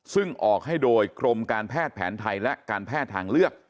ซึ่งออกให้โดยกรมการแพทย์แผนไทยและการแพทย์ทางเลือก